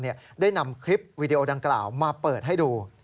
ได้นำคลิปวีดีโอดังกล่าวมาเปิดให้ดู